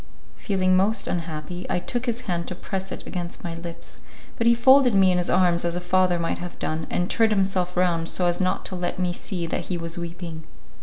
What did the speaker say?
Feeling most unhappy, I took his hand to press it against my lips, but he folded me in his arms as a father might have done, and turned himself round so as not to let me see that he was weeping.